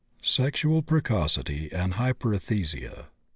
SEXUAL PRECOCITY AND HYPERESTHESIA.